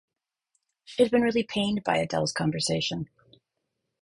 She had been really pained by Adele's conversation.